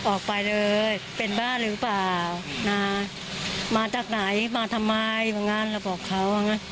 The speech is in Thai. ออกไปเลยเป็นบ้านหรือเปล่ามาจากไหนมาทำไมบางอย่างนั้นแล้วบอกเขา